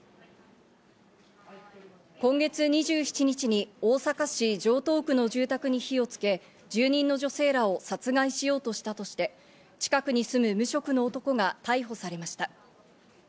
今月２７日に大阪市城東区の住宅に火をつけ、住人の女性らを殺害しようとしたとして、近くに住む無職の男が逮捕されました。